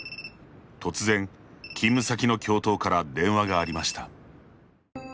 突然、勤務先の教頭から電話がありました。